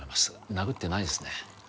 殴ってないですね